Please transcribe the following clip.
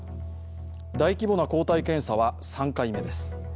大規模な抗体検査は３回目です。